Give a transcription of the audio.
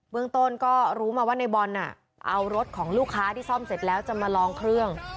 เมืองต้นก็รู้มาว่าในบอลเอารถของลูกค้าที่ซ่อมเสร็จแล้วจะมาลองเครื่อง